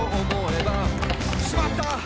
「しまった！